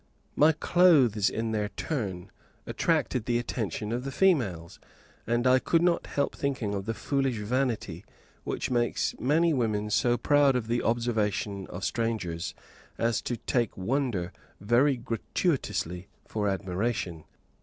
My clothes, in their turn, attracted the attention of the females, and I could not help thinking of the foolish vanity which makes many women so proud of the observation of strangers as to take wonder very gratuitously for admiration.